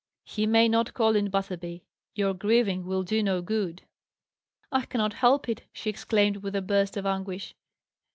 "He may not call in Butterby. Your grieving will do no good." "I cannot help it," she exclaimed, with a burst of anguish.